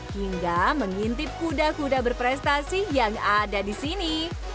hingga mengintip kuda kuda berprestasi yang ada di sini